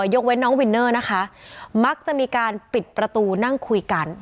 ยกเว้นน้องวินเนอร์นะคะมักจะมีการปิดประตูนั่งคุยกัน